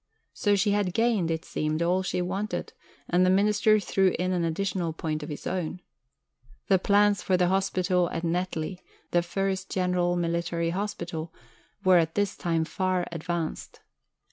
So she had gained, it seemed, all she wanted, and the Minister threw in an additional point of his own. The plans for the hospital at Netley the first General Military Hospital were at this time far advanced.